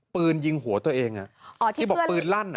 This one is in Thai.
ปืนยิงหัวตัวเองที่ปืนลั่นอะเหรอ